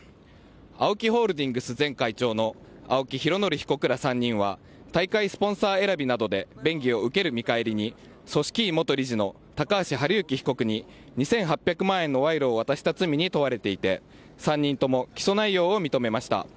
ＡＯＫＩホールディングス前会長の青木拡憲被告ら３人は大会スポンサー選びなどで便宜を受ける見返りに組織委元理事の高橋治之被告に２８００万円の賄賂を渡した罪に問われていて３人とも起訴内容を認めました。